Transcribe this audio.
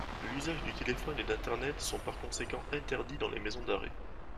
L'usage du téléphone et d'internet sont par conséquent interdits dans les maisons d'arrêt.